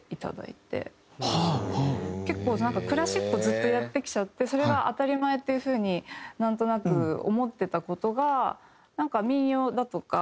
結構クラシックをずっとやってきちゃってそれが当たり前っていう風になんとなく思ってた事がなんか民謡だとか